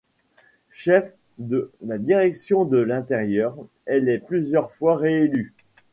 Cheffe de la direction de l'Intérieur, elle est plusieurs fois réélue.